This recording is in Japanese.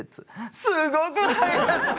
すごくないですか？